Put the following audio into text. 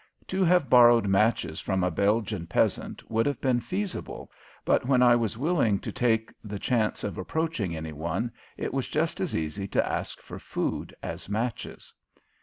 To have borrowed matches from a Belgian peasant would have been feasible, but when I was willing to take the chance of approaching any one it was just as easy to ask for food as matches.